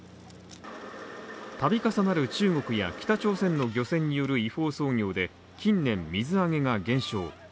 度重なる中国や北朝鮮の漁船による違法操業で、近年水揚げが減少。